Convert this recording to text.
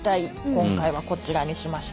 今回はこちらにしました。